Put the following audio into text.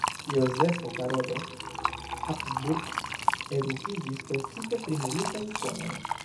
Jozefo Karolo Habsburg edukiĝis precipe pri militaj konoj.